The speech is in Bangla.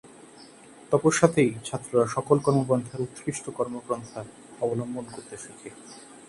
তপস্যাতেই ছাত্ররা সকল কর্মপন্থার উৎকৃষ্ট কর্মপন্থা অবলম্বন করতে শেখে।